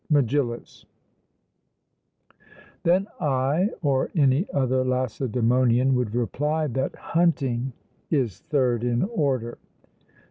MEGILLUS: Then I, or any other Lacedaemonian, would reply that hunting is third in order.